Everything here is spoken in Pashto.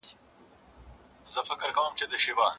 طالب جان او ګلبشره يوه مشهوره کيسه ده.